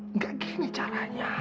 enggak gini caranya